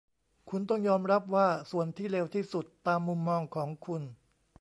คุณต้องยอมรับว่าส่วนที่เลวที่สุดตามมุมมองของคุณ